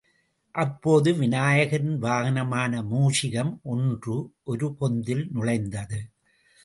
அப்போது விநாயகரின் வாகனமான மூஷிகம் ஒன்று ஒரு பொந்தில் நுழைந்தது.